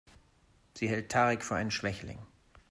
Sie hält Tarek für einen Schwächling.